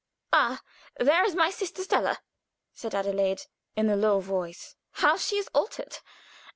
"Ah! there is my sister Stella," said Adelaide, in a low voice. "How she is altered!